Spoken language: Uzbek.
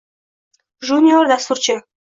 Junior dasturchi